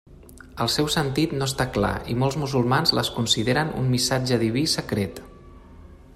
El seu sentit no està clar i molts musulmans les consideren un missatge diví secret.